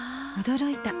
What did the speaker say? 驚いた。